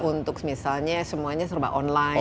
untuk misalnya semuanya serba online